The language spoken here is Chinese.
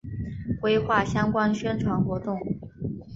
规划相关宣传活动